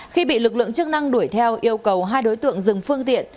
khi bị lực lượng chức năng đuổi theo yêu cầu hai đối tượng dừng phương tiện